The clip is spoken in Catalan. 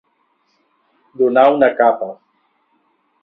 Donar una capa.